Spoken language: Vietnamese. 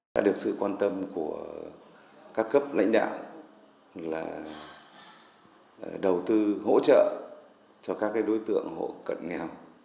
đã được sự quan tâm của các cấp lãnh đạo đầu tư hỗ trợ cho các đối tượng hộ cận nghèo